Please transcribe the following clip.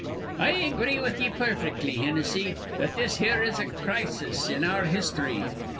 "I agree with ye perfectly, Hinnissy, that this here is a crisis in our histhry.